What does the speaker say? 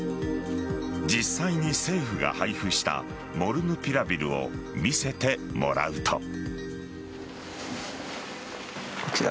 実際に政府が配布したモルヌピラビルを見せてもらうと。